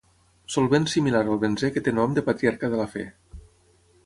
Solvent similar al benzè que té nom de patriarca de la fe.